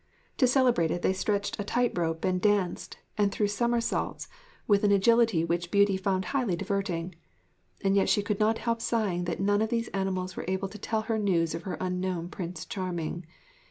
To celebrate it they stretched a tight rope and danced, and threw somersaults with an agility which Beauty found highly diverting; and yet she could not help sighing that none of these animals were able to tell her news of her unknown Prince Charming.